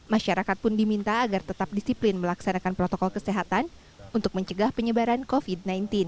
masyarakat pun diminta agar tetap disiplin melaksanakan protokol kesehatan untuk mencegah penyebaran covid sembilan belas